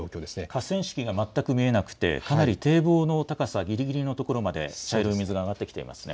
河川敷が全く見えなくて堤防の高さぎりぎりのところまで茶色い水が上がってきていますね。